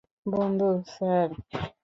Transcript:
বন্ধু, স্যার।